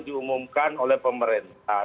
diumumkan oleh pemerintah